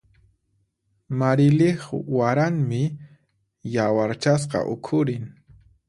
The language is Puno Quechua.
Marilyq waranmi yawarchasqa ukhurin.